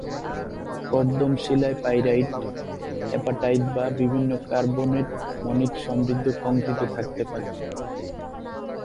কর্দমশিলায় pyrite, appetite বা বিভিন্ন carbonate মণিক সমৃদ্ধ কংক্রিটও থাকতে পারে।